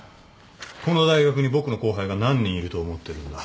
この大学に僕の後輩が何人いると思ってるんだ。